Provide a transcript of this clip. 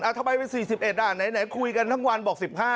ทำไมเป็น๔๑ไหนคุยกันทั้งวันบอก๑๕